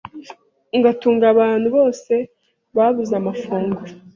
ngatunga abantu bose babuze amafunguro